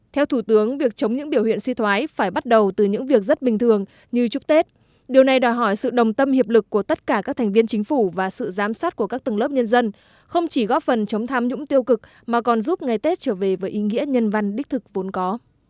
theo thủ tướng việc chống những biểu hiện suy thoái phải bắt đầu từ những việc rất bình thường như chúc tết điều này đòi hỏi sự đồng tâm hiệp lực của tất cả các thành viên chính phủ và sự giám sát của các tầng lớp nhân dân không chỉ góp phần chống tham nhũng tiêu cực mà còn giúp ngày tết trở về với ý nghĩa nhân văn đích thực vốn có